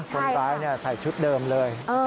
คนร้ายใส่ชุดเดิมเลย